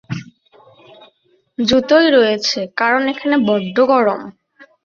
জুতোয় রয়েছে, কারণ এখানে বড্ড গরম।